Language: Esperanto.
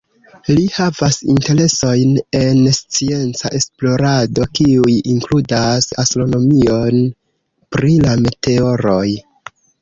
Li havas interesojn en scienca esplorado, kiuj inkludas astronomion pri la meteoroj.